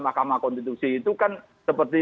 mahkamah konstitusi itu kan seperti